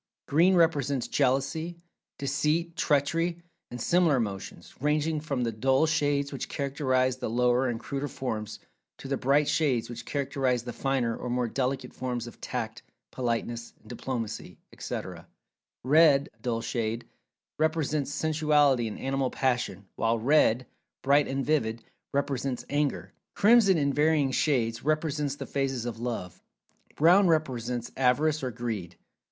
Green represents Jealousy, Deceit,[Pg 222] Treachery, and similar emotions, ranging from the dull shades which characterize the lower and cruder forms, to the bright shades which characterize the finer, or more delicate forms of "Tact," "Politeness," "Diplomacy," etc. Red (dull shade) represents Sensuality and Animal Passion, while red (bright and vivid) represents Anger. Crimson, in varying shades, represents the phases of "Love." Brown represents Avarice or Greed.